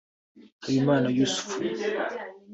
Habimana Yussuf